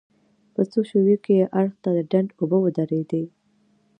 په څو شېبو کې هر اړخ ته ډنډ اوبه ودرېدې.